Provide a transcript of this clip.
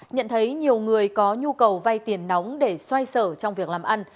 nhận thấy nhiều người có nhu cầu vay tiền nóng để xoay sở trong việc làm ăn